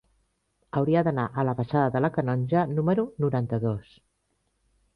Hauria d'anar a la baixada de la Canonja número noranta-dos.